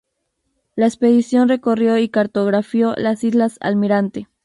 La expedición recorrió y cartografió las islas Almirante.